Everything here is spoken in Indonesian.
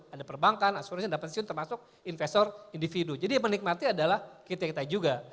ada perbankan aspirasi anda pensiun termasuk investor individu jadi yang menikmati adalah kita kita juga